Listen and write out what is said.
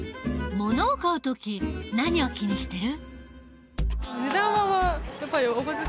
ものを買う時何を気にしてる？